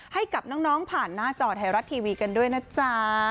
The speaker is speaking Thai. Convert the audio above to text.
ให้กับน้องผ่านหน้าจอไทยรัฐทีวีกันด้วยนะจ๊ะ